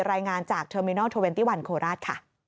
รายงานจากเทอร์มินอลทวินตี้๑โคราช